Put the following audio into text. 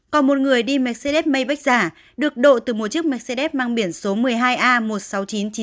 còn một người đi mercedes may giả được độ từ một chiếc mercedes mang biển số một mươi hai a một mươi sáu nghìn chín trăm chín mươi